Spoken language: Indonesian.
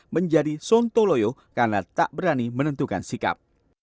menjadi sontoloyo karena tak berani menentukan sikap